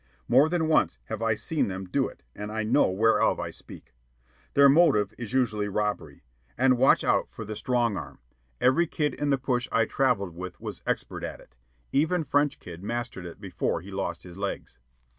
More than once have I seen them do it, and I know whereof I speak. Their motive is usually robbery. And watch out for the "strong arm." Every kid in the push I travelled with was expert at it. Even French Kid mastered it before he lost his legs.